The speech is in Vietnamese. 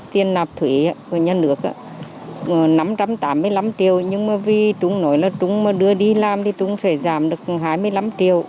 tiền nạp thủy của nhà nước năm trăm tám mươi năm triệu nhưng mà vì chúng nói là trung mà đưa đi làm thì chúng sẽ giảm được hai mươi năm triệu